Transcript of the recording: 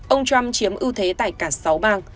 ông trump chiếm ưu thế tại cả sáu bang